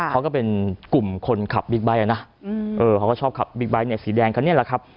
เขาก็เป็นกลุ่มคนขับบิ๊กไบท์นะเขาก็ชอบขับบิ๊กไบท์เนี่ยสีแดงคันนี้แหละครับ